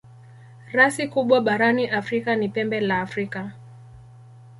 Rasi kubwa barani Afrika ni Pembe la Afrika.